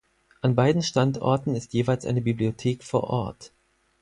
An beiden Standorten ist jeweils eine Bibliothek vor Ort.